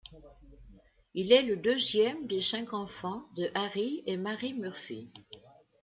Il est le deuxième des cinq enfants de Harry et Marie Murphy.